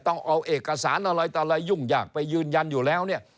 ต้องเอาเอกสารอะไรต่ออะไรยุ่งยากไปยืนยันอยู่แล้วเนี่ย